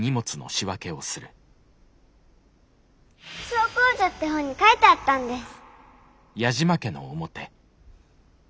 「小公女」って本に書いてあったんです。